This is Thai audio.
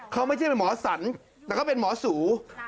เขาไม่ใช่เป็นหมอสันแต่เขาเป็นหมอสู